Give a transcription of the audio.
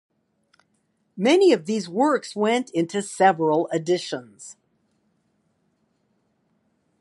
Many of these works went into several editions.